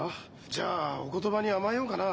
じゃあお言葉に甘えようかな。